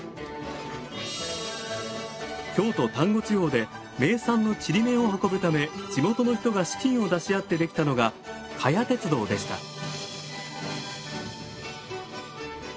京都丹後地方で名産のちりめんを運ぶため地元の人が資金を出し合ってできたのが加悦鉄道でした。